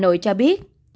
nội cho biết